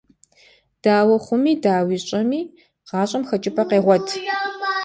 Дауэ хъуми, дауэ щӏэми, гъащӏэм хэкӏыпӏэ къегъуэт.